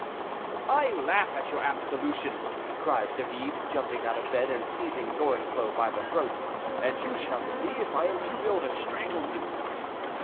"I laugh at your absolution," cried David, jumping out of bed, and seizing Gorenflot by the throat, "and you shall see if I am too ill to strangle you."